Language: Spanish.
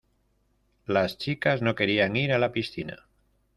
Las chicas no querían ir a la piscina.